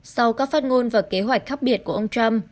sau các phát ngôn và kế hoạch khác biệt của ông trump